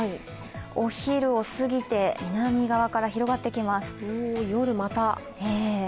お昼をすぎて南側から広がってきます。